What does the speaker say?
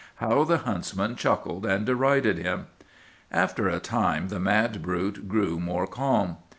"How the huntsman chuckled and derided him! "After a time the mad brute grew more calm.